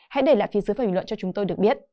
hãy để lại phía dưới bình luận cho chúng tôi được biết